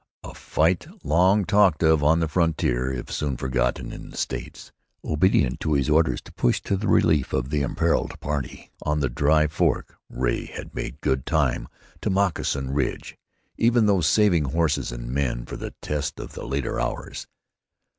a fight long talked of on the frontier if soon forgotten in "the States." Obedient to his orders to push to the relief of the imperilled party on the Dry Fork, Ray had made good time to Moccasin Ridge, even though saving horses and men for the test of the later hours.